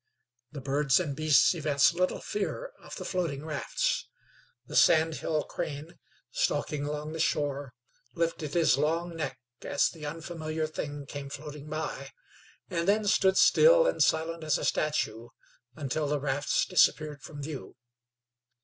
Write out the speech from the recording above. The birds and beasts evinced little fear of the floating rafts. The sandhill crane, stalking along the shore, lifted his long neck as the unfamiliar thing came floating by, and then stood still and silent as a statue until the rafts disappeared from view.